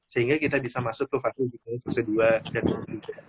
sehingga kita bisa masuk ke fase prosedur yang lebih jatuh tinggi